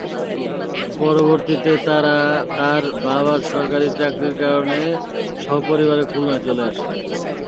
পরবর্তীতে তার বাবার সরকারি চাকরির কারণে স্ব-পরিবারে খুলনায় চলে আসেন।